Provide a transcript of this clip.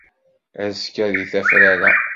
Azekka di tafrara.